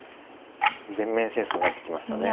全面戦争になってきましたね。